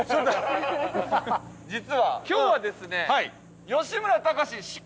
実は今日はですね吉村崇祝